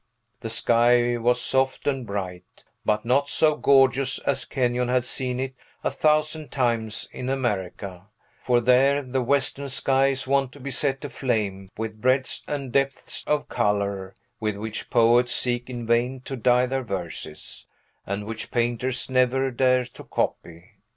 The sky was soft and bright, but not so gorgeous as Kenyon had seen it, a thousand times, in America; for there the western sky is wont to be set aflame with breadths and depths of color with which poets seek in vain to dye their verses, and which painters never dare to copy.